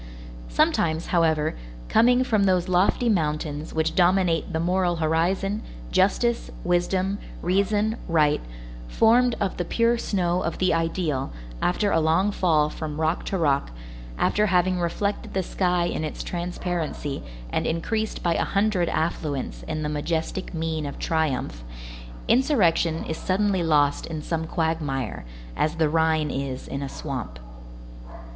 Sometimes, however, coming from those lofty mountains which dominate the moral horizon, justice, wisdom, reason, right, formed of the pure snow of the ideal, after a long fall from rock to rock, after having reflected the sky in its transparency and increased by a hundred affluents in the majestic mien of triumph, insurrection is suddenly lost in some quagmire, as the Rhine is in a swamp.